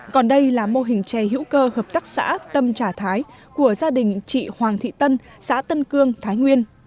còn đây là mô hình chè hữu cơ hợp tác xã tâm trà thái của gia đình chị hoàng thị tân xã tân cương thái nguyên